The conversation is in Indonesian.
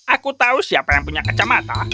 aku tahu siapa yang punya kacamata